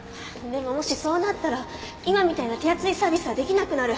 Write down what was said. でももしそうなったら今みたいな手厚いサービスはできなくなる。